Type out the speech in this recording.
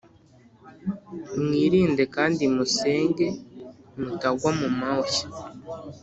Mwirinde kandi musenge mutagwa mu moshya